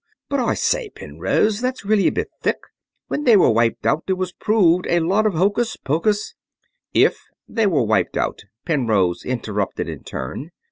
"But I say, Penrose, that's really a bit thick. When they were wiped out it was proved a lot of hocus pocus...." "If they were wiped out," Penrose interrupted in turn.